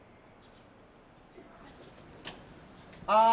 あ。